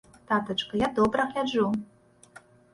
Татачка, я добра гляджу!